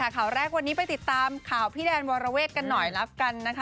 ข่าวแรกวันนี้ไปติดตามข่าวพี่แดนวรเวทกันหน่อยละกันนะคะ